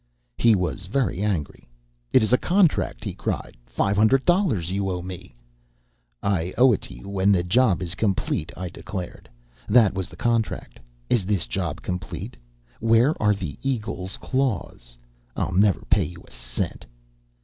"He was very angry. 'It is a contract!' he cried. 'Five hundred dollars you owe me!' "'I owe it to you when the job is complete,' I declared. 'That was the contract. Is this job complete? Where are the eagle's claws? I'll never pay you a cent!'